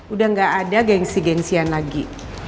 udah gak ada gengsi gengsian lagi